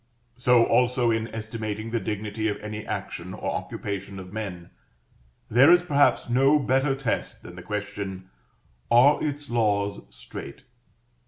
So also in estimating the dignity of any action or occupation of men, there is perhaps no better test than the question "are its laws strait?"